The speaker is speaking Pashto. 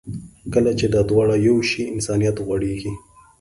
کله چې دا دواړه یو شي، انسانیت غوړېږي.